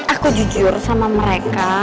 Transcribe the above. aku jujur sama mereka